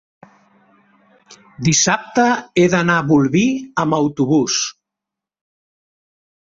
dissabte he d'anar a Bolvir amb autobús.